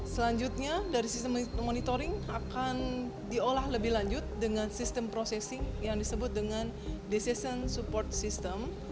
selanjutnya dari sistem monitoring akan diolah lebih lanjut dengan sistem processing yang disebut dengan decision support system